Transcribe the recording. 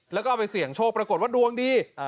แล้วก็เอาไปเสี่ยงโชคปรากฏว่าดวงดี